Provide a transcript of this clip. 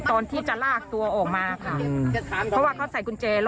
ตอนที่จะลากตัวออกมาค่ะเพราะว่าเขาใส่กุญแจแล้ว